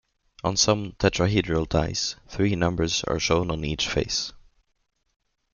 On some tetrahedral dice, three numbers are shown on each face.